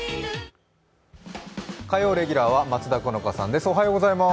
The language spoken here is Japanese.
火曜レギュラーは松田好花さんです。